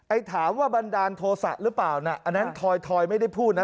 ไอ้ถามว่าบรรดาโทสะหรือเปล่านะอันนี้ทอยไม่ได้พูดนะ